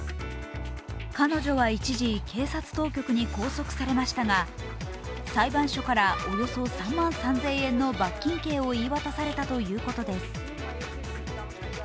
彼女は一時、警察当局に拘束されましたが、裁判所からおよそ３万３０００円の罰金刑を言い渡されたということです。